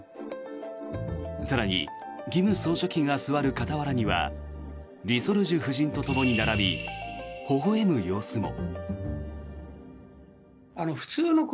更に、金総書記が座る傍らには李雪主夫人とともに並びほほ笑む様子も。